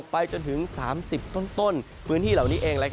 ไปจนถึง๓๐ต้นพื้นที่เหล่านี้เอง